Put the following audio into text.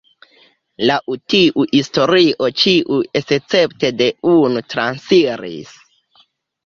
Laŭ tiu historio ĉiuj escepte de unu transiris.